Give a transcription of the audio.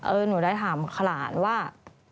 หนูได้ถามขลานว่า